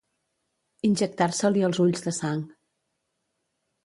Injectar-se-li els ulls de sang.